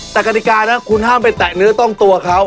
แต่กฎิกานะคุณห้ามไปแตะเนื้อต้องตัวเขา